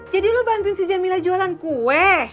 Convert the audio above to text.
jadi lo bantuin si jamila jualan kue